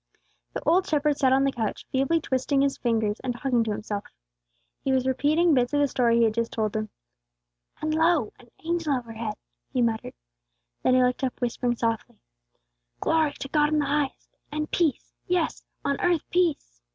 The old shepherd sat on the couch, feebly twisting his fingers, and talking to himself. He was repeating bits of the story he had just told them: "And, lo, an angel overhead!" he muttered. Then he looked up, whispering softly, "Glory to God in the highest and peace, yes, on earth peace!"